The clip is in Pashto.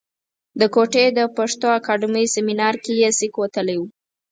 د کوټې د پښتو اکاډمۍ سیمنار کې یې سک وتلی و.